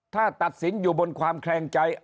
ถ้าตัดสินอยู่บนความแคลงใจ